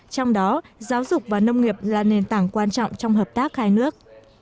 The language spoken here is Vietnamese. trong đó giáo dục và nông nghiệp là nền tảng quan trọng trong hợp tác hai nước